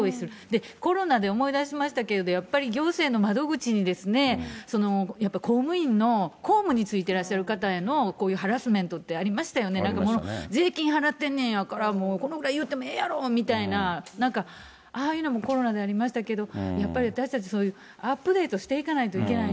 で、コロナで思い出しましたけれども、やっぱり行政の窓口にやっぱ公務員の公務に就いてらっしゃる方へのこういうハラスメントってありましたよね、なんか税金払ってんやから、このくらい言ってもええやろみたいな、なんか、ああいうのもコロナでありましたけど、やっぱり私たち、アップデートしていかない